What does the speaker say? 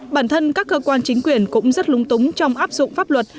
bản thân các cơ quan chính quyền cũng rất lung túng trong áp dụng pháp luật